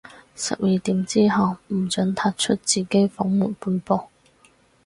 十二點之後，唔准踏出自己房門半步